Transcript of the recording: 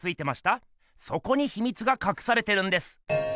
そこにひみつがかくされてるんです。